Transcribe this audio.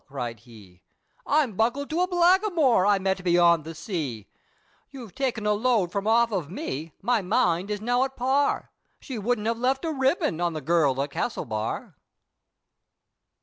cried he, "I'm buckled to a blackimoor, I met beyond the sea, "You've taken a load from off of me! my mind is now at par, She wouldn't have left a ribbon on the Girl of Castlebar!"